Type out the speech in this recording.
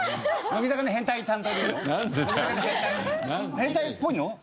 変態っぽいの？